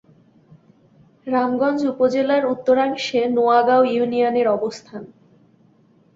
রামগঞ্জ উপজেলার উত্তরাংশে নোয়াগাঁও ইউনিয়নের অবস্থান।